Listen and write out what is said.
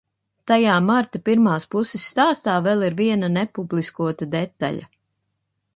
Tajā marta pirmās puses stāstā vēl ir viena nepubliskota detaļa.